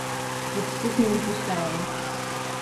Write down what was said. "Jest później, niż myślałem."